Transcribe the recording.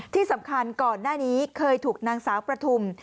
ที่สำคัญก่อนหน้านี้เคยถูกนางสาวประทุม